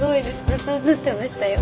ずっと映ってましたよ。